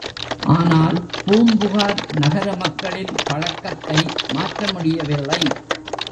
ஆனால் பூம்புகார் நகர மக்களின் பழக்கத்தை மாற்ற முடியவில்லை.